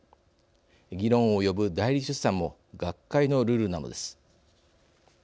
議論を呼ぶ代理出産も学会のルールなのです。